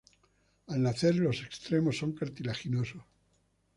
Al nacer los extremos son cartilaginosos.